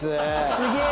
すげえ。